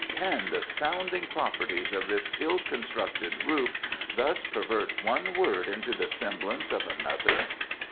Can the sounding properties of this ill constructed roof thus pervert one word into the semblance of another?